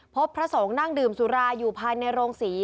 พระสงฆ์นั่งดื่มสุราอยู่ภายในโรงศรี